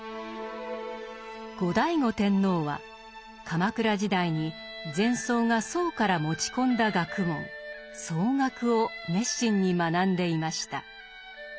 後醍醐天皇は鎌倉時代に禅僧が宋から持ち込んだ学問宋学を熱心に学んでいました。